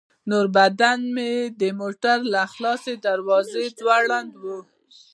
نور بدن يې د موټر له خلاصې دروازې ځوړند و.